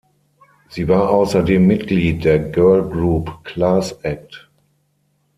Sie war außerdem Mitglied der Girlgroup „Class Act“.